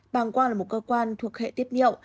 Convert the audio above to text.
bằng quang là một cơ quan thuộc hệ tiếp niệm